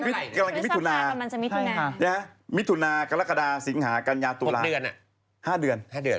กำลังจะมิถุนามิถุนากรกฎาสิงหากัญญาตุราห้าเดือน